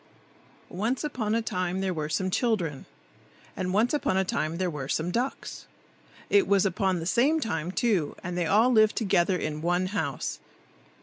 ONCE upon a time there were some children, and once upon a time there were some ducks. It was upon the same time, too, and they all lived together in one house.